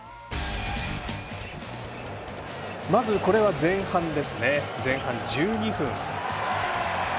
まず、これは前半１２分。